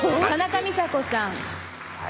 田中美佐子さん。